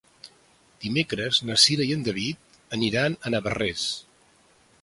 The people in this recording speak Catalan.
Dimecres na Cira i en David aniran a Navarrés.